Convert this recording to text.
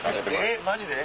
マジで？